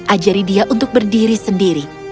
ajari dia untuk berdiri sendiri